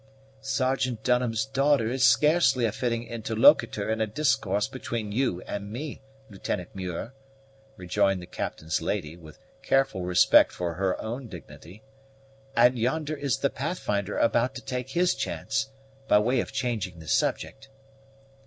"Sergeant Dunham's daughter is scarcely a fitting interlocutor in a discourse between you and me, Lieutenant Muir," rejoined the captain's lady, with careful respect for her own dignity; "and yonder is the Pathfinder about to take his chance, by way of changing the subject."